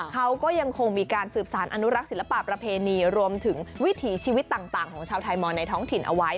เขาก็ยังคงมีการสืบสารอนุรักษ์ศิลปะประเพณีรวมถึงวิถีชีวิตต่างของชาวไทยมอนในท้องถิ่นเอาไว้